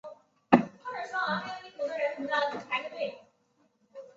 湖的外围还围着许多湖。